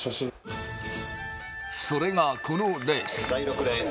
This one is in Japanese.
それがこのレース